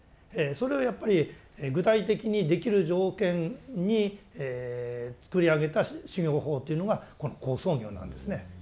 それをやっぱり具体的にできる条件に作り上げた修行法というのがこの好相行なんですね。